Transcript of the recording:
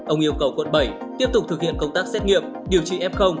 ông yêu cầu quận bảy tiếp tục thực hiện công tác xét nghiệm điều trị f